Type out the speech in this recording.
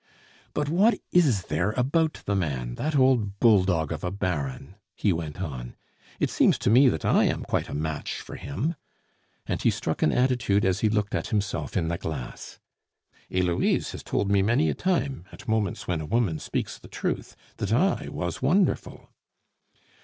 "But what is there about the man that old bulldog of a Baron?" he went on. "It seems to me that I am quite a match for him," and he struck an attitude as he looked at himself in the glass. "Heloise has told me many a time, at moments when a woman speaks the truth, that I was wonderful."